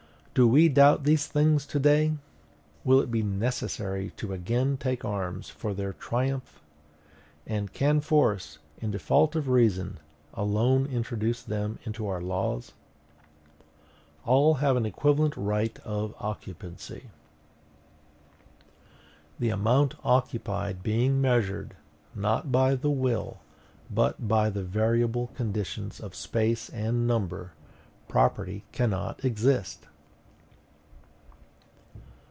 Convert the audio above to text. Do we doubt these things to day? Will it be necessary to again take arms for their triumph? And can force, in default of reason, alone introduce them into our laws? ALL HAVE AN EQUAL RIGHT OF OCCUPANCY. THE AMOUNT OCCUPIED BEING MEASURED, NOT BY THE WILL, BUT BY THE VARIABLE CONDITIONS OF SPACE AND NUMBER, PROPERTY CANNOT EXIST.